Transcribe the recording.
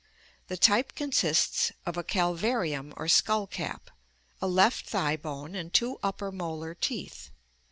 The type consists of a calvarium or skull cap, a left thigh bone, and two upper molar teeth.